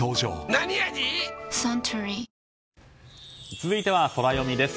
続いてはソラよみです。